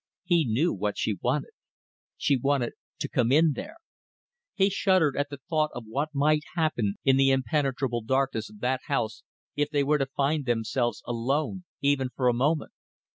He knew what she wanted. She wanted to come in there. He shuddered at the thought of what might happen in the impenetrable darkness of that house if they were to find themselves alone even for a moment.